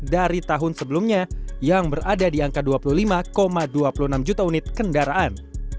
dari tahun sebelumnya yang berada di angka dua puluh lima dua puluh enam juta unit kendaraan